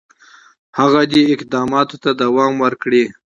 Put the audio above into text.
هغه دي اقداماتو ته دوام ورکړي.